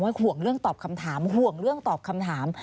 ห่วงเรื่องตอบคำถามห่วงเรื่องตอบคำถาม